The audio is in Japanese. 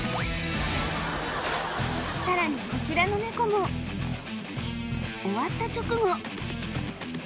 さらにこちらのネコも終わった直後